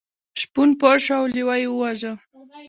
شپون پوه شو او لیوه یې وواژه.